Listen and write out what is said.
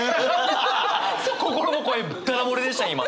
心の声だだ漏れでした今！